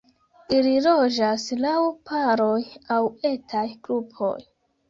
Ili loĝas laŭ paroj aŭ etaj grupoj.